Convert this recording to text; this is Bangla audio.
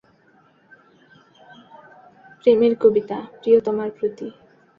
প্রেমের কবিতা, প্রিয়তমার প্রতি।